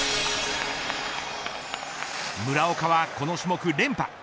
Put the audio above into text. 村岡はこの種目連覇。